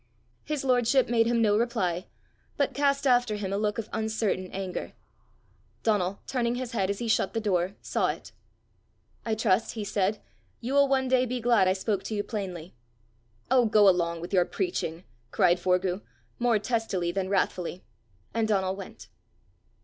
His lordship made him no reply, but cast after him a look of uncertain anger. Donal, turning his head as he shut the door, saw it: "I trust," he said, "you will one day be glad I spoke to you plainly." "Oh, go along with your preaching!" cried Forgue, more testily than wrathfully; and Donal went.